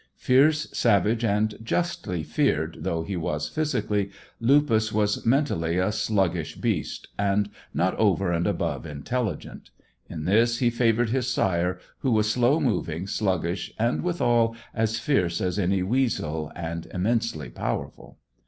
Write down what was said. Fierce, savage, and justly feared though he was physically, Lupus was mentally a sluggish beast, and not over and above intelligent. In this he favoured his sire, who was slow moving, sluggish, and, withal, as fierce as any weasel, and immensely powerful.